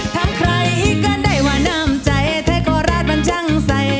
ทำใครก็ได้ว่าน้ำใจถ้าขอร้าดมันจังใส่